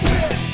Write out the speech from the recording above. saya yang menang